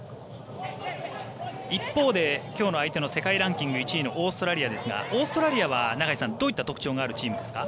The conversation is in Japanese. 一方で、きょうの相手の世界ランキング１位のオーストラリアですがオーストラリアはどういった特徴のあるチームですか。